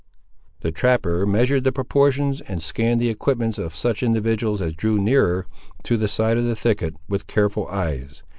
The trapper measured the proportions, and scanned the equipments of such individuals as drew nearer to the side of the thicket, with careful eyes.